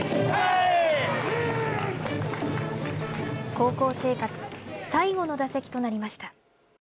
高校生活最後の打席となりました。